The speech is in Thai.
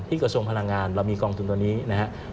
กระทรวงพลังงานเรามีกองทุนตัวนี้นะครับ